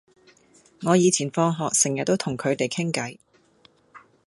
我以前放學成日都同佢哋傾偈